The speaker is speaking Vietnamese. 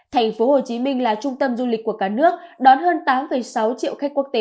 tp hcm là trung tâm du lịch của cả nước đón hơn tám sáu triệu khách quốc tế